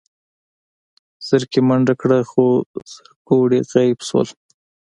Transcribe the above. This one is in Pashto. زرکې منډه کړه خو زرکوړي غيب شول.